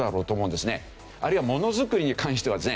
あるいはものづくりに関してはですね